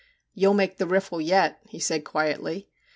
'You'll make the riffle yet,' he said quietly.